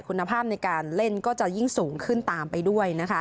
คุณภาพในการเล่นก็จะยิ่งสูงขึ้นตามไปด้วย